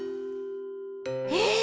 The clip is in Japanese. えっ！？